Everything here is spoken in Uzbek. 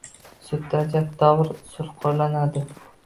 Sudda ajabtovur usul qo‘llanadi